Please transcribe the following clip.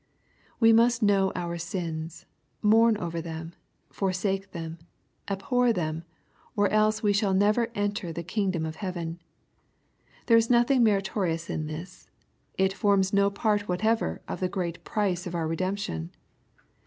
We must know our sins, mourn over them, forsak(5 them, abhor them, or else we shall never enter the kingdom of heaven. There is nothing meritorious in this. It forma no part whatever of the price of our redemption.